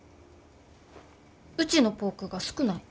うちのポークが少ない。